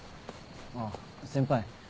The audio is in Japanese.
あっ先輩。